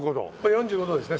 ４５度ですね